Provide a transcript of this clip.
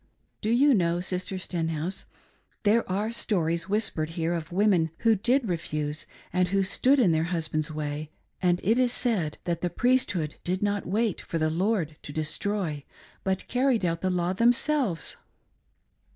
Do you know, Sister Stenhouse, there are stories whispered here of women who did refuse and who stood in their husband's way, and it is said that the Priesthood did not wait for the Lord to destroy,. but carried out the law them selves.